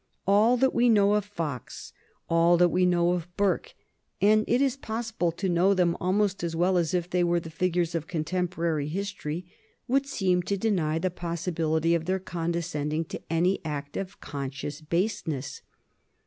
All that we know of Fox, all that we know of Burke and it is possible to know them almost as well as if they were the figures of contemporary history would seem to deny the possibility of their condescending to any act of conscious baseness.